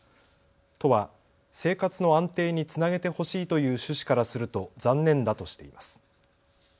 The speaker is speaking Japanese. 都は生活の安定につなげてほしいという趣旨からすると残念だとしています。